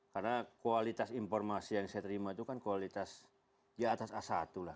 karena kualitas informasi yang saya terima itu kan kualitas ya atas a satu lah